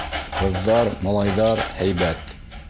Ҡыҙҙар-малайҙар һәйбәт.